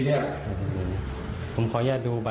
ที่อยู่กองพี่นายอยู่ก็เลย